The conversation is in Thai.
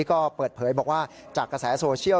ก็เปิดเผยบอกว่าจากกระแสโซเชียล